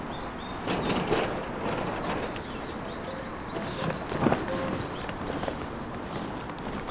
よいしょ。